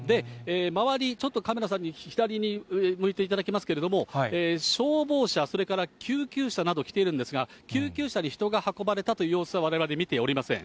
周り、ちょっとカメラさんに左に向いていただきますけれども、消防車、それから救急車など来ているんですが、救急車に人が運ばれたという様子は、われわれ、見ておりません。